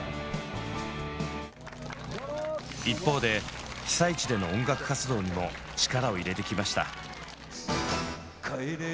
一方で被災地での音楽活動にも力を入れてきました。